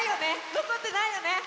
のこってないよね？